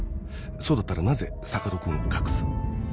そうだったらなぜ坂戸君を隠す？